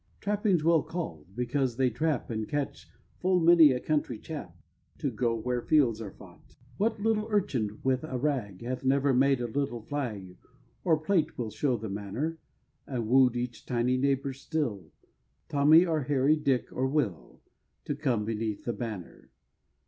Trappings well call'd because they trap And catch full many a country chap To go where fields are fought! What little urchin with a rag Hath never made a little flag (Our plate will show the manner), And wooed each tiny neighbor still, Tommy or Harry, Dick or Will, To come beneath the banner!